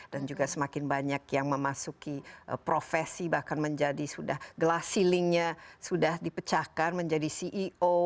dan juga semakin banyak yang memasuki profesi bahkan menjadi sudah glass ceilingnya sudah dipecahkan menjadi ceo